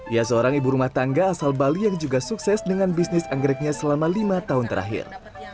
ia seorang ibu rumah tangga asal bali yang juga sukses dengan bisnis anggreknya selama lima tahun terakhir